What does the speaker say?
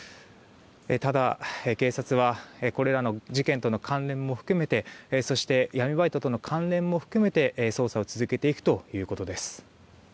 ただ、警察はこれらの事件との関連も含めてそして闇バイトとの関連も含めて捜査を続けていくということです。